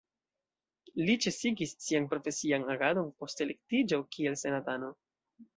Li ĉesigis sian profesian agadon post elektiĝo kiel senatano.